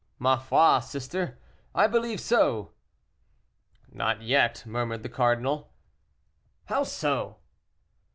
"Ma foi, sister, I believe so." "Not yet," murmured the cardinal. "How so?"